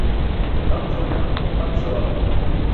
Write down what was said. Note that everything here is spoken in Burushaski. Ham xurmaa, ham sawaab.